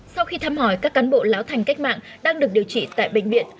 sau khi thăm hỏi các cán bộ lão thành cách mạng đang được điều trị tại bệnh viện